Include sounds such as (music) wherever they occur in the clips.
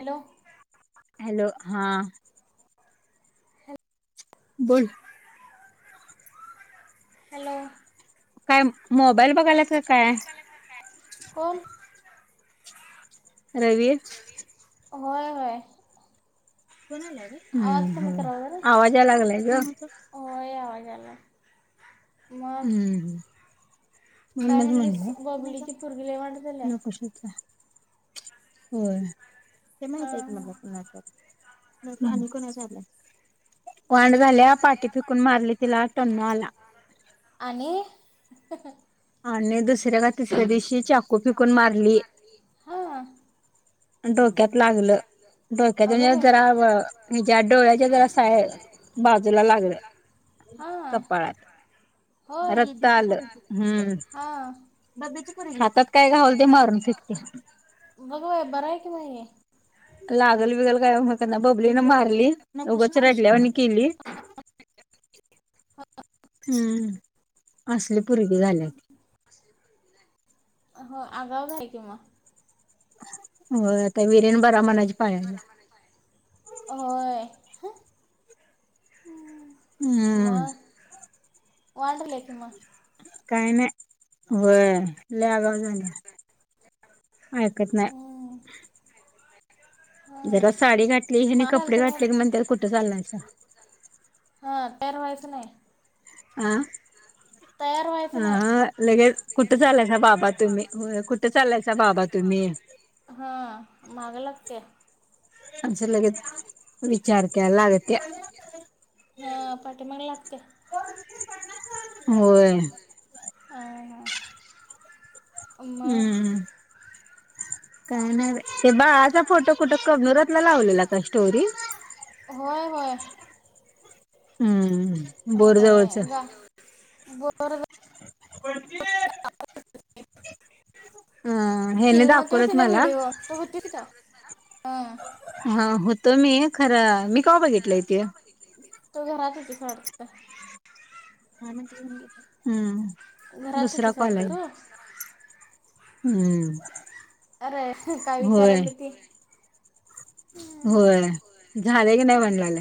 Hello. Hello हा! बोल. Hello. काय मोबाईल बघायलात का काय? कोनं? रवी होय होय! हूं, आवाज कमी हूं करावा जरा आवाज याया लागलाय ग! होय (inaudible) हूं हूं! काय म्हणूच म्हणलीस म्हणलं बबलीची पोरगी लय वांड झाल्या न कोशच होय. ते हा माहित आहे की हा मला कुणाच (unintelligible) वांड झाल्या पाठीफेकून मारली तिला टन्नू आला. आणि. हं आणे दस (unintelligible) का तिसऱ्या दिवशी चाकू फिकून मारली. हा डोक्यात लागलं, डोक्यात अगं म्हणजे बाई जरा, ह ज्या डोळ्याच्या जरा साय बाजूला लागलं. हां कपाळात होय रक्त आलं हूं. हां बाबेची हातात काय घावल ते मरून फिकते. बाय (unintelligible) लागल बिगल काय मक ना बबलन मारली रडल्यावाणी केली हो हम्म असले पर्गे झाल्या त हो आगावच आहे कि म हो का वरेन बरा मनाच पाळाला हम्म हम्म वानडलेख म काही नाही होय लागा झाल्या. आळकत नाही. हम्म हा जरा साडी घाठली हे आणि मला कपडे आलतं काय घाठले की म्हण कुठे चाललायचा. परवाच नाही. आह तयार व्हायचं अ नाही लगेच कुठं चालायचा बाबा तुम्ही कुठं चालायसा बाबा तुम्ही म लागते आमचं लगेच विचार. हा पाठीमग लागत्या. होय. हा, म. का नाही बाई बाळा चा फो फोटो कुट कबनूरातला लावलेला का स्टोरी. होय होय. हम्म. बोरजवळच, होय गा (unintelligible) बंटी, हेने किल् नव्हती होतीि दाखवलत ना मला व्हडे व त होती का हा, हा होतो मी खरं मी. का बघितलं इथे, तु घरात होतीस वाटत. हम्म, घरात दुसरा होतीस कॉल वाटत आहे. ग हम्म.. अरे काय होय विचाराल्या ती. होय, झालं की नाही म्हणलेल.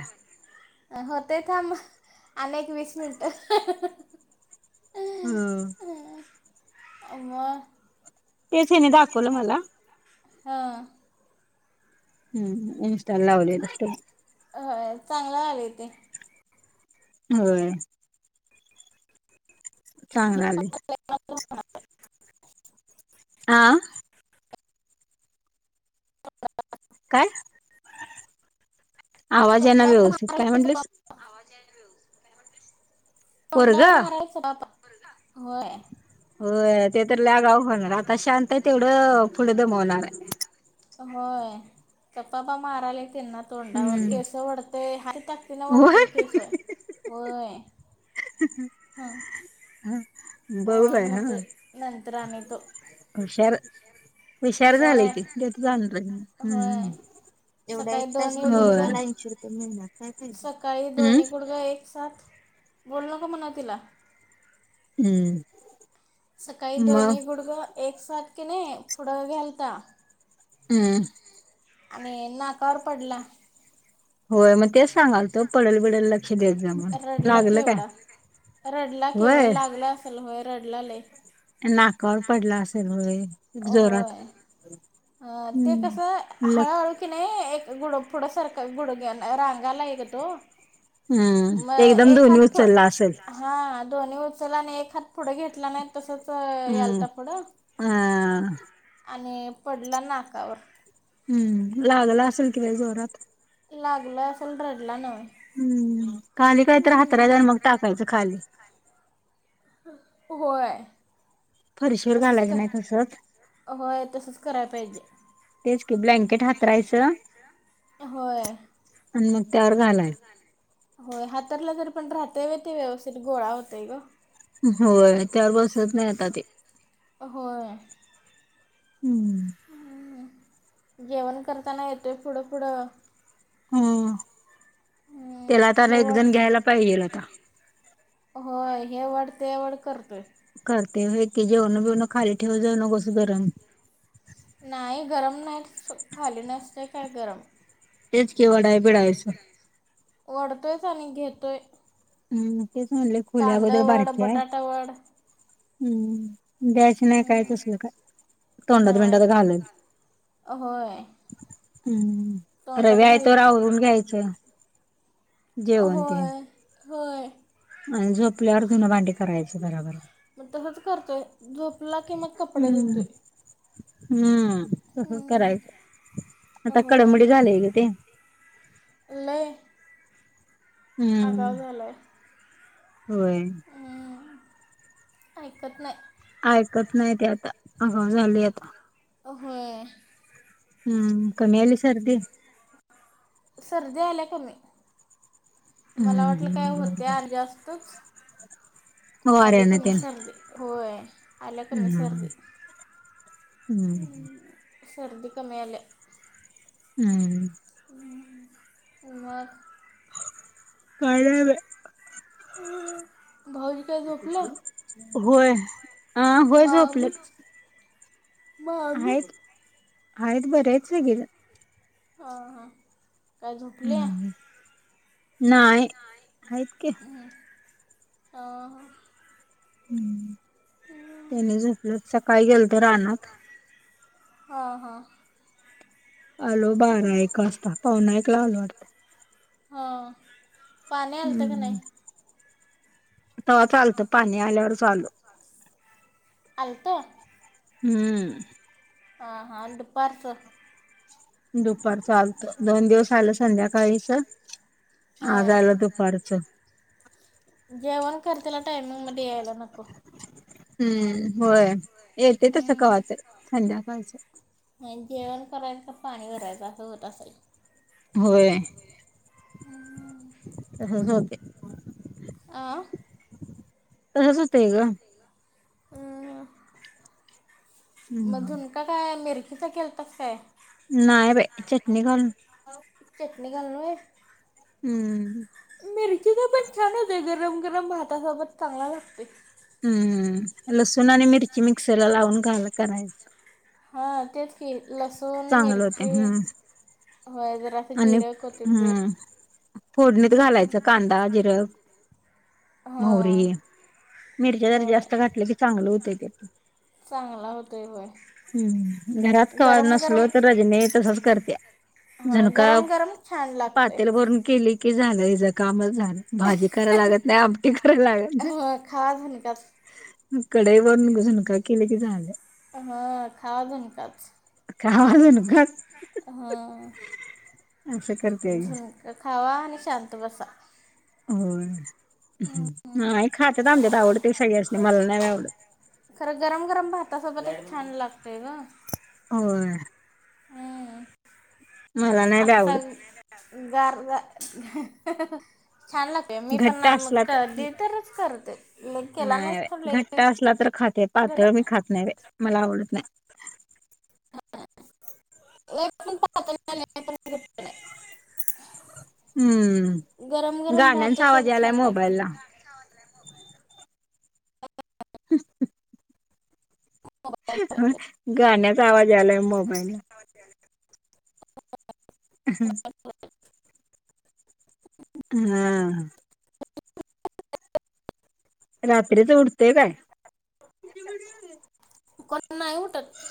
होते थांब अनेक वीस मिनट. हम, मग. तेच हेनी दाखवल मला.. हां. हम्म इन्स्टाला लावलेली स्टोरी. ह चांगल आलेय ते. होय. चांगलं आलय. (unintelligible) आ. (unintelligible) काय? आवाज येईना तोंडावर व्यवस्थित काय मारायच पाप म्हनलीस. तोंडा वर पोरगं मारलंय चपापा. होय. हो ते तर लगाव होणार आता शांत आहे तेवढं पुढ दमवणार. (inaudible) होय गपापा माराले का. तिनातोडवरर हम्म. केस वडतय. टाकतीना वाढत होय केश होय. ह ह बघ वाढ बाय हा होते नंतर आणि तो हुशार. हुशार झालाय त जाणार होय हम् सकाळी दोन्ही गुडघं एवढाऐश रुपये मि काय का सकाळी हम्. बोलणक म्हनला. हम्म. सकाळी मग दोनही गुडग एक साथ के नाही. पुढं घलता. हम्म. आणि नाकावर पडला. होय मग तेच सांगाल तो पडल बिडल लक्ष द्याेत जा म्हन रडला लागल काय केवढा होय. रडलाले. नाकावर पडला असेल व. जोरात. अ ते हम्म. कस ल हळूहळू क नाही. एक गुड पुढ सारखं गुड्या रांगाला एक तो. हम्म ते मग एकदम एक दोन्ही हात पुढ उचलला असेल हां दोन्ही उचला आणि एक हात पुढे घेतला नाहीत तसच हम्म. यालता पुडं हा आणि पडला नाकावर हम्म लागला असल कि व जोरात लागला असल रेड ला ना हम्म खाली काही तर तर अंतरायचं मग टाकायचं खाली होय फरशीवर तसंच घालायचं नाही तसच कराय पाहिजे तेच की ब्लँकेट हातरायचं होय आणि मग त्यावर घालाय होय हातरल पण राहते व ते व्यवस्थित गोळा होतय ग होय त्यावर बसत नाही आता ते होय हम्म जेवण करताना येतोय पुढं पुढं हम् त्याला हम्म तर हे वड एकजण घ्यायला पाहिजेल आता होय हे वढ ते वड करतोय करतय होय की जेवण बीवन खाली ठेवत जाऊ नकोस गरम नाही गरम नाही खाली नसते काय गरम तेच की वढाय बिडायचं वढतोयच आणि घेतोय हम्म ते म्हणलं खोली अगोदर कांदा वड बारकी हाय बटाटा वड हम्म द्यायच नाही कायच हम्म. असल का तोंडात नाही बिंडात घालेल होय हम्म तोंडात रवी आय घाल तोवर आवरून घ्यायचं जेवण तेन होय होय आणि झोपल्यावर धुनं भांडी करायच बरोबर मग तसंच करतोय झोपला कि मग कपडे हम्म. धुतोय हम्म तसंच हम्म, करायच आता होय. कडमडी झालय आहे ग ते लय हम्म आगाव झालंय. होय. ऐकत नाही. ऐकत नाही ते आता अगाव झालय आता. होय. हम्म. कमि आली सर्दी? सर्दी आल्या कमी. मला हम्म वाटलं काय हम्म होते बरोबर. आज जास्तच. आले फवाऱ्यान कमी तेन. सर्दी होय. आले कमी हम्म सर्दी. हम्म सर्दी कमी आल्या. हम्म. उमग - - काय नाय बाय. अ भाऊजी काय झोपलं? होय. हा होय मामी झोपलेत. मामी आहेत आहेत बरी हाइत सगळीजणं - - हा हा. (unintelligible) झोपल्या हम्म. नाही हाइत की ह. हा. (inaudible) तेनी झोपलतं सकाळी गेलते रानात हा हा. आलो बारा एक वाजता पावणे एक ला आलो वाटतं - - हां पाणी आलत काय नाइ? तेवाच चालतं पाणी आल्यावरचं आलो. आलत हम्म. हा हा दुपारचं. दुपारच आलत दोन दिवस झालं संध्याकाळीच आज हां आलं दुपारच जेवण करतेला टायमिंगमध्ये यायला नको हम्म. होय. येते तस हम्म. कवा तर संध्याकाळच आणि जेवण करायचं पाणी भरायचं असं होत आसलं होय तसच होते. आं तसंच होतंय का हा हम्म मधून का काय मिर कस केलत काय नाही बाई चटणी घालून निघाल व्हय हम्म. मिरचीच पण छान होतय गरम गरम भातासोबत चांगला लागतेय‌. हम्म लसूण आणि मिरची मिक्सर ला लावून घालून करायचं हा तेच की लसूण, चांगले होते मिरची हम्म होय जरासं आणि जिरं, कोथिंबीर हम्म फोडणीत घालायचं कांदा जिरं मोहरी हां मिरच्या जरा होय जास्त घातल्या की चांगलं होतय. (inaudible) चांगला होतोय वय हम् घरात कवा नसलो तर रजनी तसच करते्या हां झणुका गरम गरम छान लागतंय. पातेल भरून केली क झालं ह कामच झालं भाजी कराय लागत नाही आमटी कराय लागत हां खावा झुणकाच नाही कढई भरून झुणका केले की झाले हा खावा झुणकाच खावा झुनकाच हा असं करत्या की झुणका खावा आणि शांत शांत बसा हो हा खात जाऊदे आवडते सगळ्यासी मला नाही आवडत खरं गरम गरम भातासोबत एक छान लागतय ग हो हम मला नाही ब आवडत गार हाहाहा छान लागतेय मी पण घट्ट असला कध तर तरच करते तर नाही घट्ट असला तर खाते पातळ मी खात नाहीे मला आवडत नाही हण पा (unintelligible) गरम हम्म गरम गाण्याचा आवाज भातासोबत आलाय छान लागते मोबाईल ला ह गाण्या चा आवाज ला मोबाईल ह हम हा रात्रीचा उठतोय काय कोण नाही उठत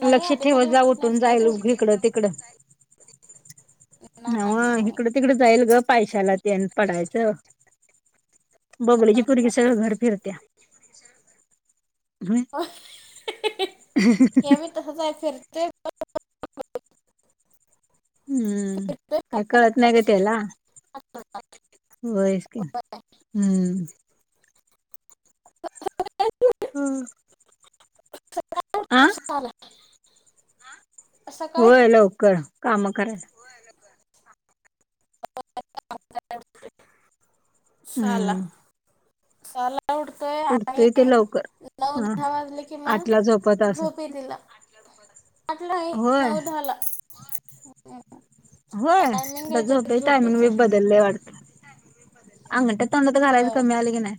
नाही लक्ष आधी ठेवत मध्ये उठत जाऊठून नाही काय जायल उठते इिकडं तिकडं (inaudible) नाव नाही नाही इकडं तिकड जाईल ग असतं पैशाला ते पडायचं बबलीची पुरगी सगळं घर फिरत्या ह ते हम्म काय कळत नाही ग त्याला वयस का हम्म हम्म (inaudible) (unintelligible) सकाळी होय लवकर काम (unintelligible) ह (unintelligible) सहाला हम्म. सहाला उठतोय आणि उठतोय ते लवकर नऊ ह दहा वाजले आठला झोपत असलं तिला. (inaudible) (inaudible) आठ लाही नऊ दहाला ह होय आ झोपे टायमिंग वी झोपेचं बदलले वाटत अंगठा तोंडात घालायचं होय कमी आलय का नाही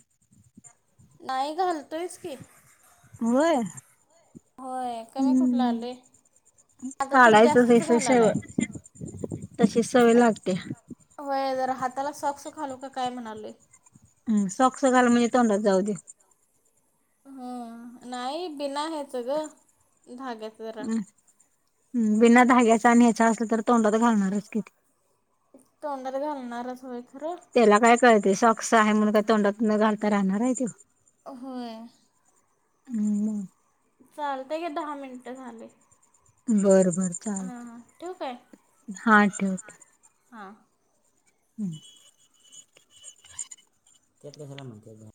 नाही घालतोयस की होय होय कमी कुठ हम्म आला आता तर काढायचंच हे जास्तच घाण आले सवय तशी सवय लागते हाताला सॉक्स खालू का काय म्हणाले हम सॉक्स घाल म्हणजे तोंडात जाऊ दे. हम नाही बिना ह्याच ग. धाग्यात जरा हम्म बिना धाग्याचा आणि ह्याचा असल तर तोंडात घालणारच कि ते. तोंडात घालणारच होय. खरं तेला काय कळतंय ते सॉक्स आहे म्हणून तोंडात न घालता रहणाराय तो होय हम्म चालतय ग दहा मिनटं झाले. बर बर हां हां ठेवू काय चालतंय हा ठेव ठेव. हां हम्म. त्यात कशाला म्हणत्यात आणि